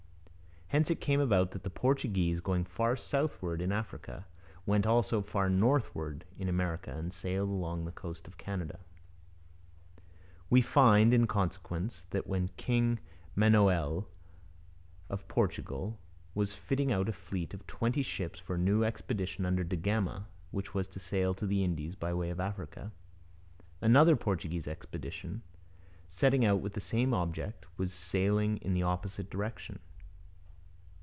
Hence it came about that the Portuguese, going far southward in Africa, went also far northward in America and sailed along the coast of Canada. We find, in consequence, that when King Manoel of Portugal was fitting out a fleet of twenty ships for a new expedition under da Gama, which was to sail to the Indies by way of Africa, another Portuguese expedition, setting out with the same object, was sailing in the opposite direction.